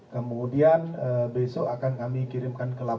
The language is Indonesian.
kemudian besok akan kami kirimkan ke lab empat